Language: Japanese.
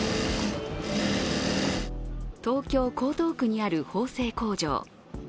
東京・江東区にある縫製工場。